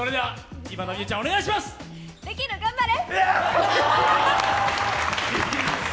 できる、頑張れ！